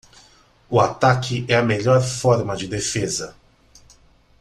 O ataque é a melhor forma de defesa.